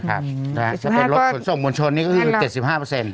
ถ้าเป็นรถส่งบุญชนนี่ก็สมอง๗๕